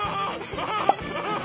ハハハハッ！